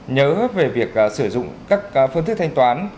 nhớ về việc sử dụng các phương thức thanh toán